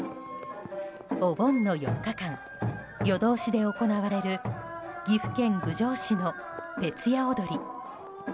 お盆の４日間、夜通しで行われる岐阜県郡上市の徹夜おどり。